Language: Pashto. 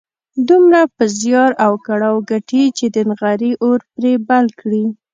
دومره په زيار او کړاو ګټي چې د نغري اور پرې بل کړي.